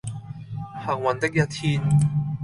幸運的一天